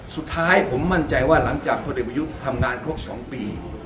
สุดท้ายผมมั่นใจว่าหลังจากพยทำงานครบสองปี